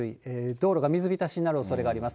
道路が水浸しになるおそれがあります。